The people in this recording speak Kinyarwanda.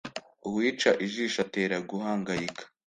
Uwica ijisho atera guhangayika